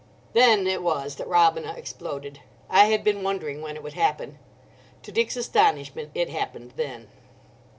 Then it was that Robina exploded. I had been wondering when it would happen. To Dick's astonishment it happened then.